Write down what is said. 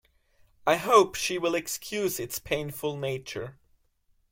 I hope she will excuse its painful nature.